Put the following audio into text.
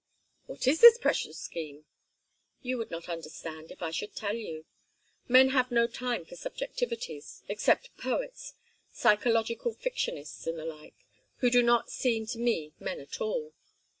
"What is this precious scheme?" "You would not understand if I should tell you. Men have no time for subjectivities except poets, psychological fictionists, and the like, who do not seem to me men at all.